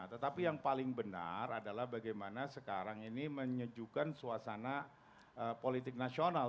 tetapi yang paling benar adalah bagaimana sekarang ini menyejukkan suasana politik nasional